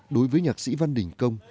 đối với nhạc sĩ văn đình công